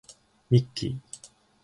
ミッキー